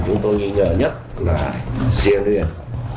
chúng tôi nghi ngờ nhất là xe luyện